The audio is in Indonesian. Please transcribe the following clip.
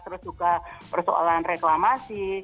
terus juga persoalan reklamasi